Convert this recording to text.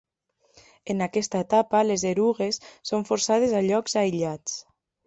En aquesta etapa, les erugues són forçades a llocs aïllats.